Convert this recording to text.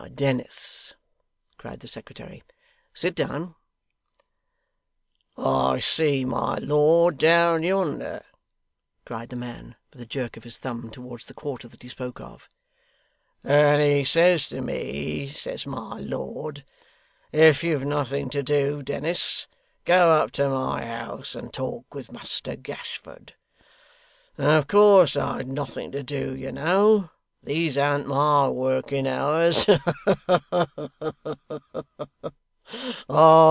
Dennis!' cried the secretary. 'Sit down.' 'I see my lord down yonder ' cried the man, with a jerk of his thumb towards the quarter that he spoke of, 'and he says to me, says my lord, "If you've nothing to do, Dennis, go up to my house and talk with Muster Gashford." Of course I'd nothing to do, you know. These an't my working hours. Ha ha!